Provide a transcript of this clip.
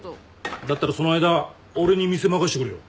だったらその間俺に店任せてくれよ。